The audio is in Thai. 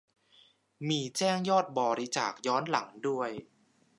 มีแจ้งยอดบริจาคย้อนหลังด้วย